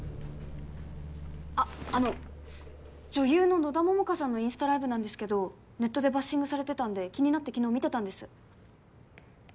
あっあの女優の野田桃花さんのインスタライブなんですけどネットでバッシングされてたんで気になって昨日見てたんです。